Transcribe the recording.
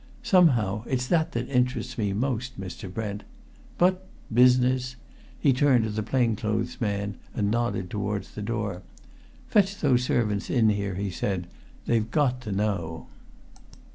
Somehow, it's that that interests me most, Mr. Brent. But business!" He turned to the plain clothes man, and nodded towards the door. "Fetch those servants in here," he said. "They've got to know."